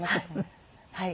はい。